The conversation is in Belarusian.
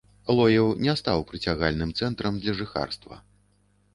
Лоеў не стаў прыцягальным цэнтрам для жыхарства.